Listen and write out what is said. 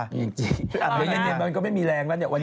อันนี้มันก็ไม่มีแรงละเนี่ย